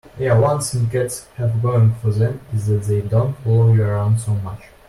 Yeah, one thing cats have going for them is that they don't follow you around so much.